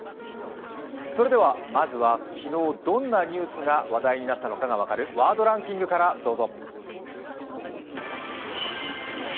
それではまずは、昨日どんなニュースが話題になったのかが分かるワードランキングからどうぞ。